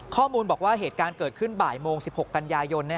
ข้อมูลบอกว่าเหตุการณ์เกิดขึ้นบ่ายโมง๑๖กันยายน